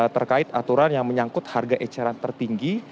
terkait aturan yang menyangkut harga eceran tertinggi